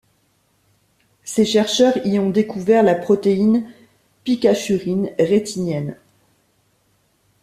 Ses chercheurs y ont découvert la protéine pikachurine rétinienne.